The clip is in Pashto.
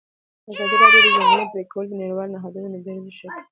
ازادي راډیو د د ځنګلونو پرېکول د نړیوالو نهادونو دریځ شریک کړی.